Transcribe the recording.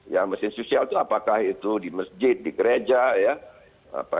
ya mesin sosial itu apakah itu di masjid di gereja ya